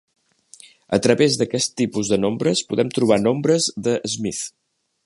A través d'aquest tipus de nombres podem trobar nombres de Smith.